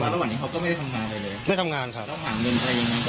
ไม่ได้ทำงานค่ะ